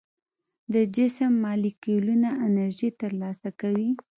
د جسم مالیکولونه انرژي تر لاسه کوي.